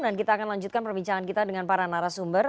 dan kita akan lanjutkan perbincangan kita dengan para narasumber